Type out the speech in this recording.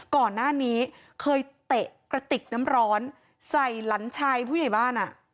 ก่อนหน้านี้เคยเตะกระติกน้ำร้อนใส่หลานชายผู้ใหญ่บ้านอ่ะ